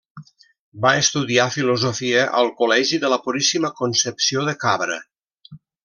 Va estudiar Filosofia al Col·legi de la Puríssima Concepció de Cabra.